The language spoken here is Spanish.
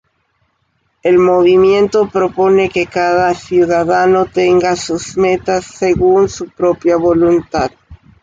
El movimiento propone que cada ciudadano tenga sus metas según su propia voluntad.